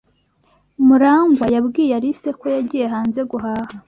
Murangwa yabwiye Alice ko yagiye hanze guhaha.